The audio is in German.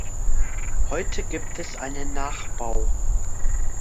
Heute gibt es einen Nachbau.